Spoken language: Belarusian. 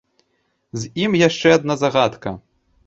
З ім яшчэ адна загадка.